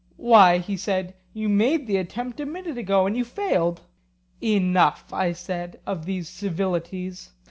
Why, he said, you made the attempt a minute ago, and you failed. Enough, I said, of these civilities.